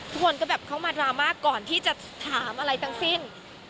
ทุกคนก็แบบเข้ามาดราม่าก่อนที่จะถามอะไรทั้งสิ้น